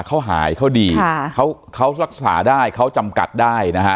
เขาหายเขาดีค่ะเขาเขารักษาได้เขาจำกัดได้นะฮะ